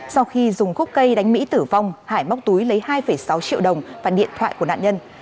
sau khi dùng khúc cây đánh mỹ tử vong hải móc túi lấy hai sáu triệu đồng và điện thoại của nạn nhân